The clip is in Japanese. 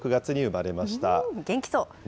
元気そう。